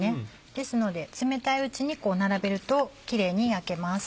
ですので冷たいうちに並べるとキレイに焼けます。